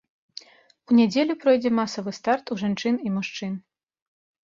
У нядзелю пройдзе масавы старт у жанчын і мужчын.